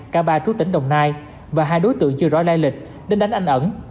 cả ba chú tỉnh đồng nai và hai đối tượng chưa rõ lai lịch đến đánh anh ẩn